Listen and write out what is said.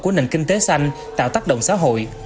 của nền kinh tế xanh tạo tác động xã hội